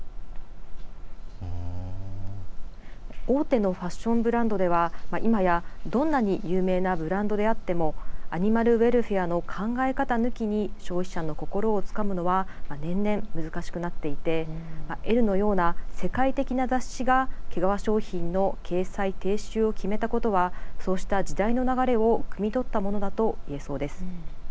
大手のファッションブランドではいまや、どんなに有名なブランドであってもアニマルウェルフェアの考え方抜きに消費者の心をつかむのは年々難しくなっていて「エル」のような世界的な雑誌が毛皮商品の掲載停止を決めたことはそうした時代の流れをくみ取ったものだといえそうです。